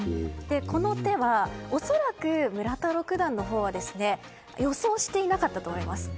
この手は恐らく村田六段のほうは予想していなかったと思います。